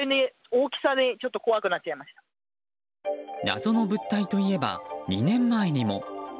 謎の物体といえば２年前にも。